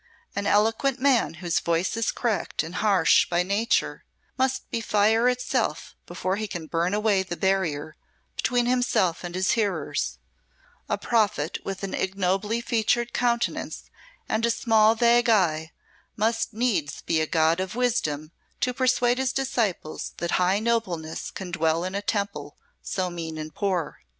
An eloquent man whose voice is cracked and harsh by nature must be fire itself before he can burn away the barrier between himself and his hearers; a prophet with an ignobly featured countenance and a small, vague eye must needs be a god of wisdom to persuade his disciples that high nobleness can dwell in a temple so mean and poor.